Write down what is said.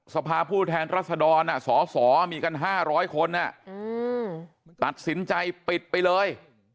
สภาพผู้แทนรัศดรสอสอมีกัน๕๐๐คนตัดสินใจปิดไปเลย